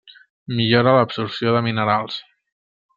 Millora l'absorció de minerals.